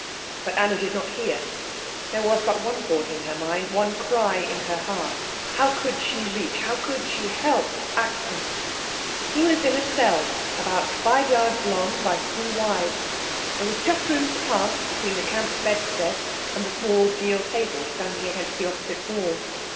But Anna did not hear. There was but one thought in her mind, one cry in her heart how could she reach, how could she help, Axel? He was in a cell about five yards long by three wide. There was just room to pass between the camp bedstead and the small deal table standing against the opposite wall.